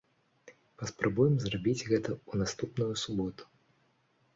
Паспрабуем зрабіць гэта ў наступную суботу!